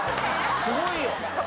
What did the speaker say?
すごいな！